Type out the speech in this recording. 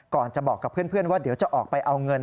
ก่อนจะบอกกับเพื่อนว่าเดี๋ยวจะออกไปเอาเงิน